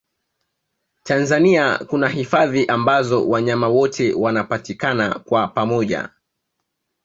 tanzania kuna hifadhi ambazo wanyama wote wanapatikana kwa pamoja